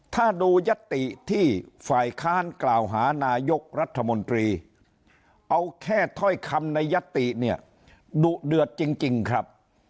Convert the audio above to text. ถ้าดูยัตติที่ฝ่ายค้านกล่าวหานายกรัฐมนตรีเอาแค่ถ้อยคำในยัตติเนี่ยดุเดือดจริงครับ